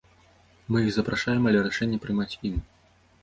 Мы іх запрашаем, але рашэнне прымаць ім.